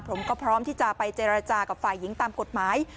ผมก็พร้อมที่จะไปเจรจากับฝ่ายหญิงตามกฎหมาย